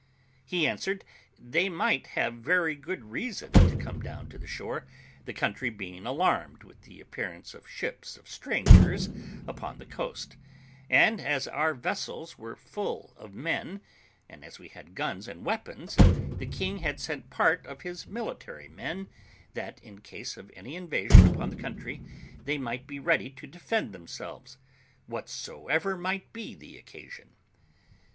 He answered, they might have good reason to come down to the shore, the country being alarmed with the appearance of ships of strangers upon the coast; and as our vessels were full of men, and as we had guns and weapons, the king had sent part of his military men, that, in case of any invasion upon the country, they might be ready to defend themselves, whatsoever might be the occasion.